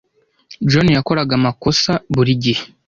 John yakoraga amakosa buri gihe.